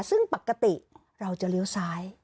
ซึ่งปกติเราจะเลี้ยวซ้าย